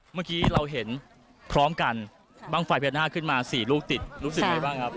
เมื่อกี้เราเห็นพร้อมกันบ้างไฟพญานาคขึ้นมา๔ลูกติดรู้สึกไงบ้างครับ